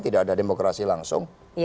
tidak ada demokrasi langsung